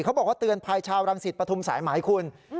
เขาบอกว่าเตือนภัยชาวรังสิตปฐุมสายไหมคุณ